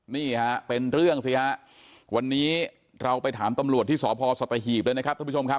นี่ฮะเป็นเรื่องสิฮะวันนี้เราไปถามตำรวจที่สพสัตหีบเลยนะครับท่านผู้ชมครับ